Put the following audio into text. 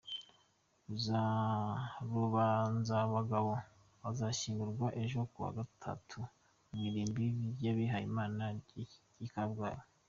Rubanzangabo azashyingurwa ejo ku wa gatatu mu irimbi ry’abihayimana ry’i Kabgayi.